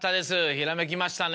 ひらめきましたね。